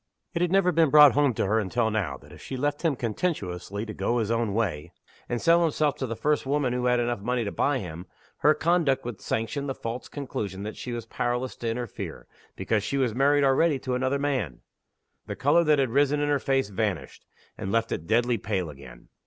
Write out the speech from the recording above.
It had never been brought home to her until now, that if she left him contemptuously to go his own way, and sell himself to the first woman who had money enough to buy him, her conduct would sanction the false conclusion that she was powerless to interfere, because she was married already to another man. The color that had risen in her face vanished, and left it deadly pale again.